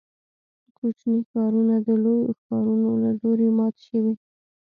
کوچني ښارونه د لویو ښارونو له لوري مات شوي.